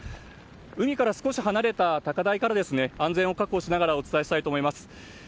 海から少し離れた高台から安全を確保しながらお伝えしたいと思います。